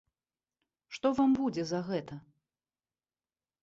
Што вам будзе за гэта?